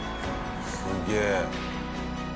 すげえ。